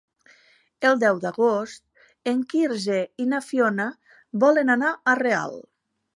El deu d'agost en Quirze i na Fiona volen anar a Real.